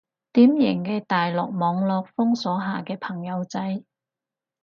典型嘅大陸網絡封鎖下嘅朋友仔